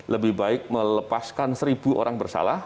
lebih baik melepaskan seribu orang bersalah